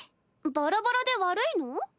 バラバラで悪いの？